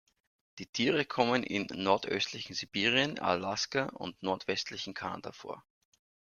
Die Tiere kommen im nordöstlichen Sibirien, Alaska und nordwestlichen Kanada vor.